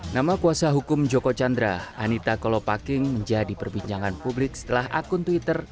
nama kuasa hukum joko chandra anita kolopaking menjadi perbincangan publik setelah akun twitter